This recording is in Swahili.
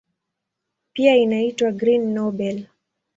Pia inaitwa "Green Nobel".